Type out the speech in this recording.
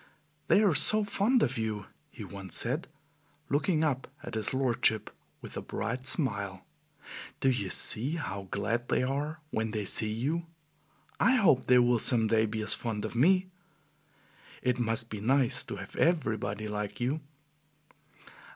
"They are so fond of you," he once said, looking up at his lordship with a bright smile. "Do you see how glad they are when they see you? I hope they will some day be as fond of me. It must be nice to have EVERYbody like you."